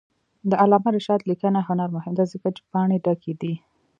د علامه رشاد لیکنی هنر مهم دی ځکه چې پاڼې ډکې دي.